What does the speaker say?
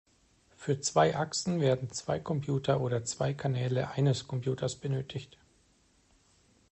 Für zwei Achsen werden zwei Computer oder zwei Kanäle eines Computers benötigt.